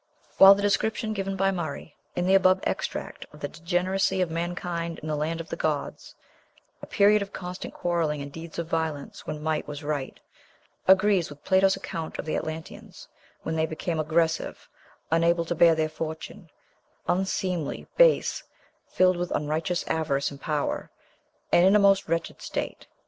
While the description given by Murray in the above extract of the degeneracy of mankind in the land of the gods, "a period of constant quarrelling and deeds of violence, when might was right," agrees with Plato's account of the Atlanteans, when they became "aggressive," "unable to bear their fortune," "unseemly," "base," "filled with unrighteous avarice and power," and "in a most wretched state."